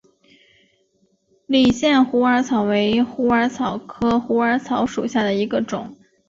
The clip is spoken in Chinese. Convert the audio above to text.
理县虎耳草为虎耳草科虎耳草属下的一个种。